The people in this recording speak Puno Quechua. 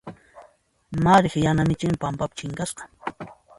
Mariq yana michin pampapi chinkasqa.